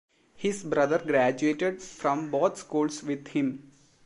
His brother graduated from both schools with him.